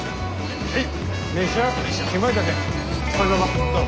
はい。